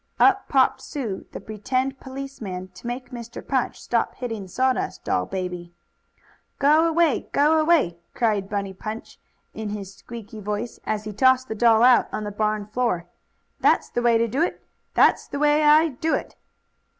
Up popped Sue, the pretend policeman, to make Mr. Punch stop hitting the sawdust doll baby. "Go 'way! Go 'way!" cried Bunny Punch, in his squeaky voice, as he tossed the doll out on the barn floor. "That's the way to do it! That's the way I do it!"